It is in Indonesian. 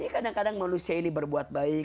kadang kadang manusia ini berbuat baik